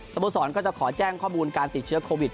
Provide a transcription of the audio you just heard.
โมสรก็จะขอแจ้งข้อมูลการติดเชื้อโควิด